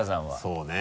そうね。